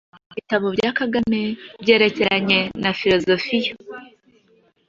Ibitabo bya Kagame byerekeranye na filosofiya: “